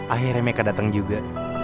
akhirnya meka datang juga